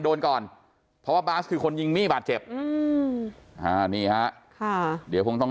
โดนก่อนเพราะว่าบาสคือคนยิงมี่บาดเจ็บนี่ค่ะเดี๋ยวผมต้อง